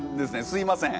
すいません。